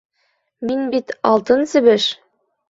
Мин бит Алтын себеш.